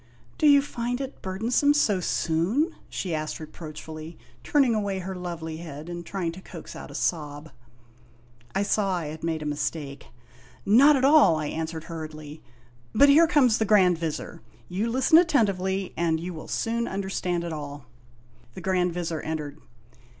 " Do you find it burdensome so soon ?" she asked reproachfully, turning away her lovely head and trying to coax out a sob. I saw I had made a mistake. " Not at all," I answered hur riedly; "but here comes the Grand Vizir; you listen attentively, and you will soon understand it all." The Grand Vizir en tered.